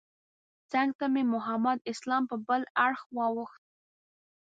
څنګ ته مې محمد اسلام په بل اړخ واوښت.